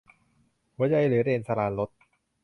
หัวใจเหลือเดน - สราญรส